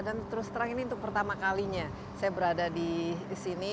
dan terus terang ini untuk pertama kalinya saya berada di sini